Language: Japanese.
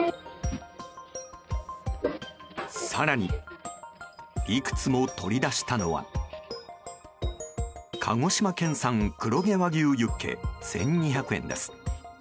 更に、いくつも取り出したのは鹿児島県産黒毛和牛ユッケ１２００円です。